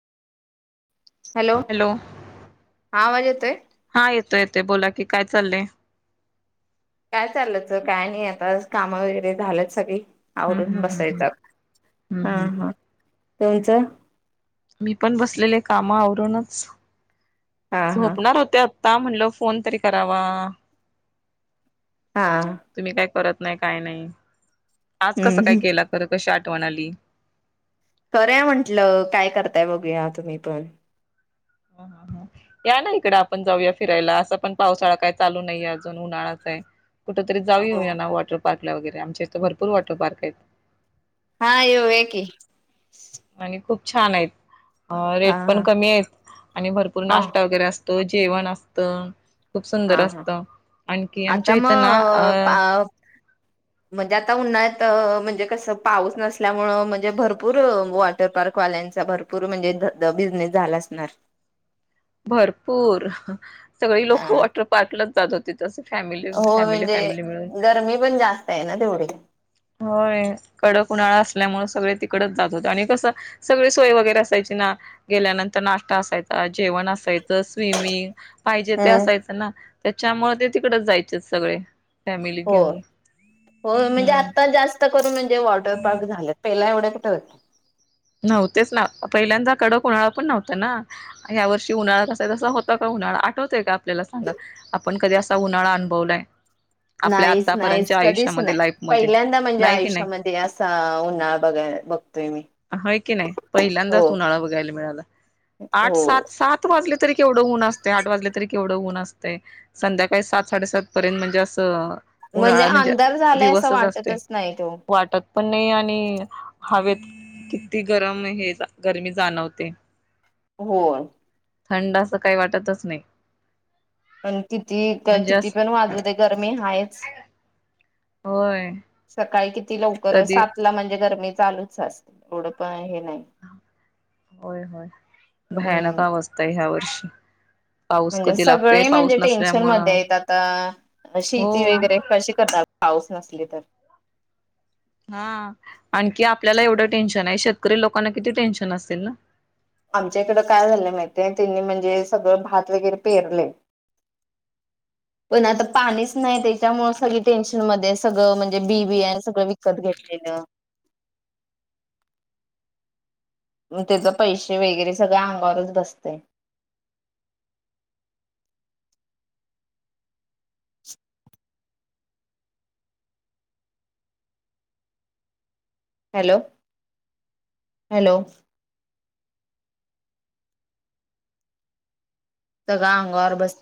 Hello हा आवाज येतोय. हा येतोय येतोय. बोला कि काय चाललंय. काय चालायचं काय नाही. आता काम वगैरे झालंत सगळी हम्म आवरून हम्म हम्म बसायच हम्म आता. हम्म हम्म हा हम्म. हा तच मी पण बसलेले कामा आवरूनच हा हा झोपणार होते. त म्हणल फोन तरी करावा हा तुम्ही काय करत. नाही काय नाही. आज कसं काय हम्म केला खरं कशी आठवण आली. करूया म्हंटलं काय करताय बघूया तुम्ही पण हा [unintelligible] हा या ना इकड आपण जाऊया फिरायला असं पण पावसाळा काय चालू नाहीे अजून उन्हाळाच आहे. कुठ तरी जाऊन हो येऊया ना वॉटर पार्क ला वगैरे आमच्या इथे भरपूर वॉटर पार्क आहेत. हा येऊया की. आणि खूप छान आहेत अ हा रेट पण हा कमी आहेत आणि भरपूर ह नाश्ता वगैरे असत त जेवण असत. खूप हा सुंदर हा असत आणखी आता आमच्या इथं ना. मग अ पा म्हणजे आता उन्हाळ्यात. म्हणजे कसं पाऊस नसल्यामुळे म्हणजे भरपूर वॉटर पार्कवाल्यांचा भरपूर म्हणजे. बिझनेस झाला असणार. भरपूर. सगळी हा लोकं वॉटर पार्कलाच जात होते तस. हो म्हणजे गरमी पण जास्त आहे ना तेवढी. होय कडक उन्हाळा असल्यामुळे सगळे तिकडच जात होते आणि कसं सगळी सोय वगैरे असायची. गेल्यानंतर नाश्ता असायचा, जेवण असायच. स्विमिंग पाहिजे ते हम्म असायचं ना त्याच्यामुळे ते तिकडच जायचे सगळे. फॅमिली होय, घेऊन होय म्हणजे हम्म. आता जास्त करून म्हणजे वॉटर पार्क झाल्यात पहिला एवढ. होत. नव्हतेच ना पहिल्यांदा कडक उन्हाळा पण नव्हता ना या वर्षी उन्हाळा कसा आहे तसा होता का? उन्हाळा आठवतोय का आपल्याला सांगा आपण कधी असा उन्हाळा अनुभवलाय. आपल्या नाहीच नाहीच आतापर्यंतच्या कधीच आयुष्यामध्ये नाही लाईफमध्ये. पहिल्यांदा म्हणजे नाही की नाही आयुष्यामध्ये असा उन्हाळ बघाय. बघतोय मी. होय की नाही हो. पहिल्यांदाच उन्हाळा बघायला मिळाला आठ हो सात सात वाज तरीवढं होऊन असते आठ वाजले तरीवढं होऊन असते संध्याकाळी सात साडेसात पर्यंत म्हणजे असं. उन्हाळा म्हणजे अंधार झालाय असं दिवसच असते वाटतच नाही तो वाटत पण नाही आणि हवेत किती गरम हे गरमी जाणवते हो थंड असं काही वाटतच नाही आणि किती म्हणजे किती असं पण वाजले ते गरमी हायच होय सकाळी किती लवकर कधी सात ला म्हणजे गरमी चालूच असते एवढं पण नाही. होय होय भयानक हम्म अवस्था आहे ह्या वर्षी पाऊस म्हणजे कधी लागतोय सगळे पाऊस म्हणजे टेन्शन नसल्यामुळं मध्ये आहेत आता हो शेती वगैरे कशी करणार पाऊस नसले तर हा आणखी आपल्याला एवढं टेन्शन आहे शेतकरी लोकांना किती टेन्शन असेल ना आमच्या इकड काय झालं माहितय त्यांनी म्हणजे सगळं भात वगैरे पेरले [inaudible] पण आता पाणीच नाही त्याच्यामुळे सगळी टेन्शन मध्ये सगळं म्हणजे बी बियाणं सगळं विकत घेत- -ल त्याच पैशे वगैरे सगळं अंगावरच बसतयं. [inaudible] हॅलो हॅलो सगळं अंगावर बसतेय.